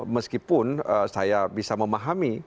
meskipun saya bisa memahami